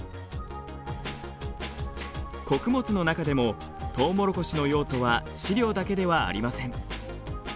穀物の中でもトウモロコシの用途は飼料だけではありません。